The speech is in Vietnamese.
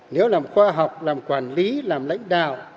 nếu làm khoa học làm quản lý làm lãnh đạo